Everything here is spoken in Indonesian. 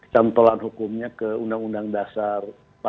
cantolan hukumnya ke undang undang dasar empat puluh